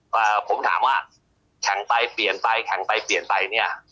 เอ่อผมถามว่าแข่งไปเปลี่ยนไปแข่งไปเปลี่ยนไปเนี่ย